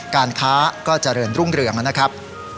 การค้าก็เจริญรุ่งเรืองนะครับ